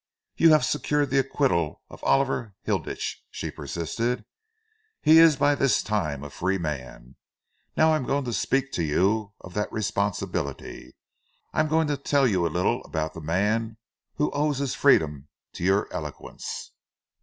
"You have secured the acquittal of Oliver Hilditch," she persisted. "He is by this time a free man. Now I am going to speak to you of that responsibility. I am going to tell you a little about the man who owes his freedom to your eloquence."